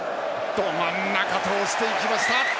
ど真ん中通していきました！